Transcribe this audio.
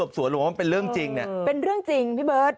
เป็นเรื่องจริงพี่เบิ๊ด